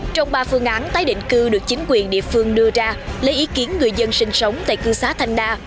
trong ba phương án tái định cư được chính quyền địa phương đưa ra lấy ý kiến người dân sinh sống tại cư xá thanh đa